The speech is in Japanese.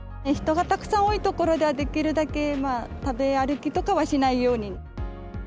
人がたくさん多い所ではできるだけ食べ歩きとかはしないように。